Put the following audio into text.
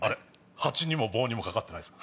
蜂にも棒にも掛かってないっすか。